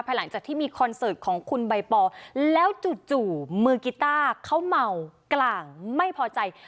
หลังจากที่มีคอนเสิร์ตของคุณใบปอแล้วจู่มือกีต้าเขาเมากลางไม่พอใจ